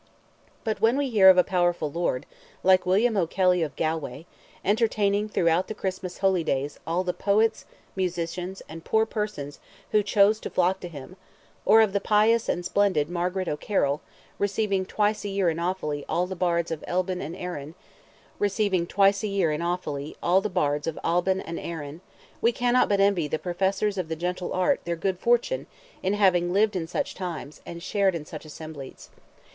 But when we hear of a powerful lord, like William O'Kelly of Galway, entertaining throughout the Christmas holydays all the poets, musicians, and poor persons who choose to flock to him, or of the pious and splendid Margaret O'Carroll, receiving twice a year in Offally all the Bards of Albyn and Erin, we cannot but envy the professors of the gentle art their good fortune in having lived in such times, and shared in such assemblies.